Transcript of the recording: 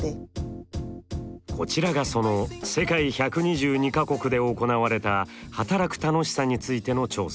こちらがその世界１２２か国で行われた働く楽しさについての調査。